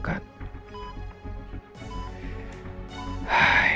kalau tidak kita harus pusing